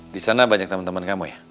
di sana banyak temen temen kamu ya